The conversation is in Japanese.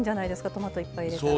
トマトいっぱい入れたら。